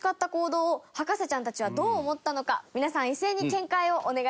皆さん一斉に見解をお願いします。